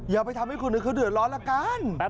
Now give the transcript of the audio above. อย่าทำให้คุณนึกจะเดื่อร้อนละกัน